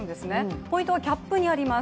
ポイントはキャップにあります。